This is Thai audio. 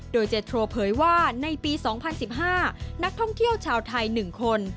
โดยเจโทรเผยว่าในปี๒๐๑๕นักท่องเที่ยวชาวไทย๑คน